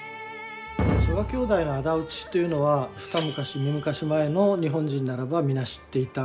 曽我兄弟の仇討ちというのは二昔三昔前の日本人ならば皆知っていた。